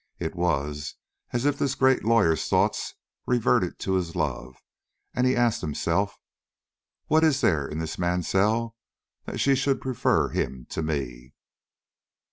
It was as if this great lawyer's thoughts reverted to his love, and he asked himself: "What is there in this Mansell that she should prefer him to me?"